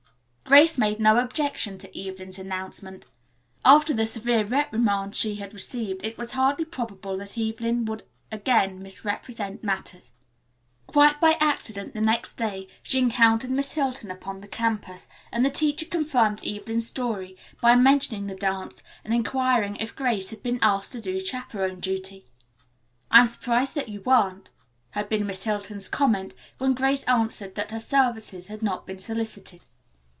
Grace made no objection to Evelyn's announcement. After the severe reprimand she had received it was hardly probable that Evelyn would again misrepresent matters. Quite by accident the next day she encountered Miss Hilton upon the campus, and the teacher confirmed Evelyn's story by mentioning the dance and inquiring if Grace had been asked to do chaperon duty. "I am surprised that you weren't," had been Miss Hilton's comment when Grace answered that her services had not been solicited.